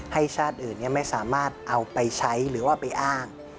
ชาติอื่นไม่สามารถเอาไปใช้หรือว่าไปอ้าง